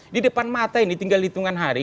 di depan mata ini tinggal hitungan hari